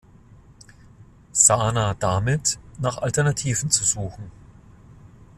Saner damit, nach Alternativen zu suchen.